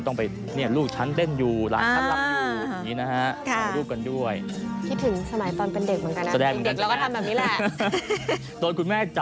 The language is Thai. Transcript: ต้องแต่ลูกชั้นเล่นอยู่ล้านชั้นรับอยู่เลยนะฮะ